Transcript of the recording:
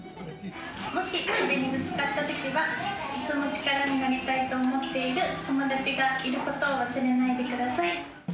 もし壁にぶつかったときは、いつも力になりたいと思っている友達がいることを忘れないでくだ